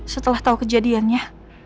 setelah tau kejadiannya